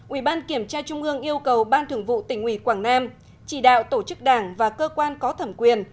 ubnd yêu cầu ban thường vụ tỉnh ủy quảng nam chỉ đạo tổ chức đảng và cơ quan có thẩm quyền